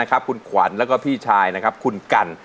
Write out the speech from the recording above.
คุณขวัญแล้วก็พี่ชายคุณกัน